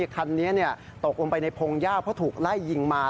คันนี้ตกลงไปในพงหญ้าเพราะถูกไล่ยิงมา